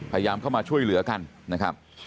พยายามเข้ามาช่วยเหลือกันนะครับ